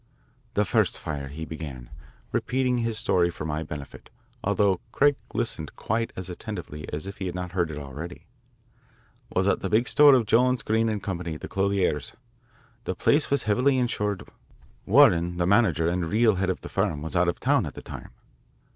"The first fire," he began, repeating his story for my benefit, although Craig listened quite as attentively as if he had not heard it already, "was at the big store of Jones, Green & Co., the clothiers. The place was heavily insured. Warren, the manager and real head of the firm, was out of town at the time."